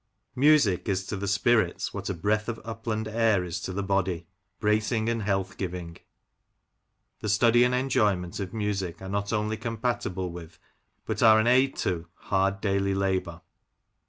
Music is to the spirits what a breath of upland air is to the body — bracing and health giving. The study and enjoyment of music are not only compatible with, but are an aid to, hard daily labour.